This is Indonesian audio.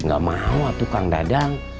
gak mau tukang dadang